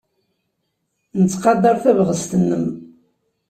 Nettqadar tabɣest-nnem.